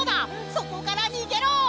そこからにげろ！